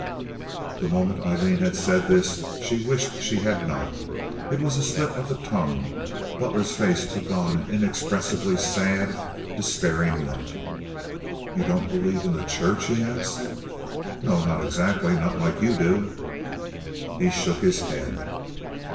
The moment Aileen had said this she wished she had not. It was a slip of the tongue. Butler's face took on an inexpressibly sad, despairing look. "Ye don't believe in the Church?" he asked. "No, not exactly—not like you do." He shook his head.